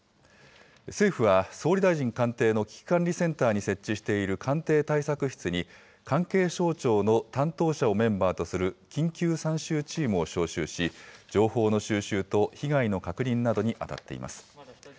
政府は、総理大臣官邸の危機管理センターに設置している官邸対策室に、関係省庁の担当者をメンバーとする緊急参集チームを招集し、情報の収集と被害の確認などに当たっています。